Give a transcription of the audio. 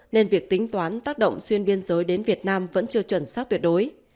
nên việc tính toán tác động xuyên biên giới đến việt nam vẫn chưa chuẩn xác tuyệt đối